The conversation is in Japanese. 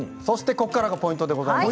ここからがポイントでございます。